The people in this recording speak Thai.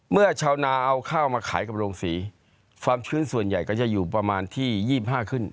ชาวนาเอาข้าวมาขายกับโรงสีความชื้นส่วนใหญ่ก็จะอยู่ประมาณที่๒๕ขึ้น